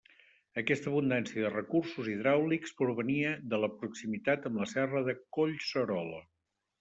Aquesta abundància de recursos hidràulics provenia de la proximitat amb la serra de Collserola.